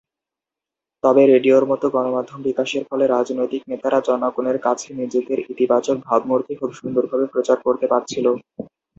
তবে রেডিওর মতো গণমাধ্যম বিকাশের ফলে রাজনৈতিক নেতারা জনগণের কাছে নিজেদের ইতিবাচক ভাবমূর্তি খুব সুন্দরভাবে প্রচার করতে পারছিল।